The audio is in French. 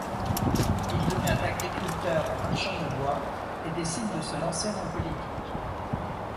Il devient agriculteur et marchand de bois et décide de se lancer en politique.